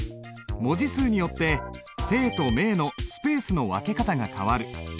文字数によって姓と名のスペースの分け方が変わる。